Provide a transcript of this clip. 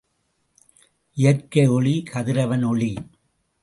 இயற்கை ஒளி கதிரவன் ஒளி.